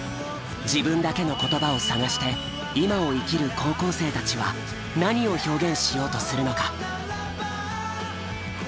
自分だけの言葉を探して今を生きる高校生たちは何を表現しようとするのか。